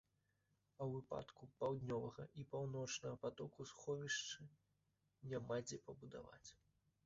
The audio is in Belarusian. А ў выпадку паўднёвага і паўночнага патоку сховішчы няма дзе пабудаваць.